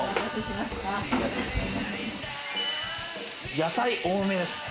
野菜多めですね。